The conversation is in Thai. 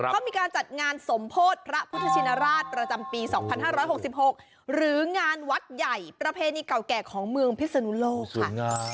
เขามีการจัดงานสมโพธิพระพุทธชินราชประจำปี๒๕๖๖หรืองานวัดใหญ่ประเพณีเก่าแก่ของเมืองพิศนุโลกค่ะ